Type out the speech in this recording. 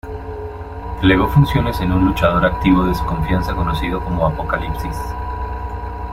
Delegó funciones en un luchador activo de su confianza conocido como Apocalipsis.